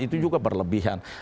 itu juga berlebihan